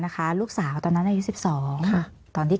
มีความรู้สึกว่าเสียใจ